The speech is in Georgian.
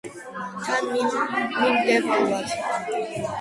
თანმიმდევრულად.